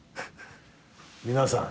皆さん。